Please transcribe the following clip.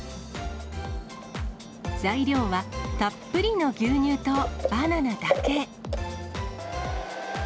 材料はたっぷりの牛乳とバナナだけ。